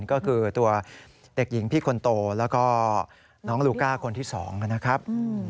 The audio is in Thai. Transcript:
ก็คือตัวเด็กหญิงพี่คนโตแล้วก็น้องลูก้าคนที่๒นะครับ